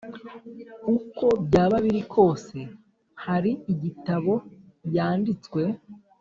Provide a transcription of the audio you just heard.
uko byaba biri kose, hari igitabo yanditswe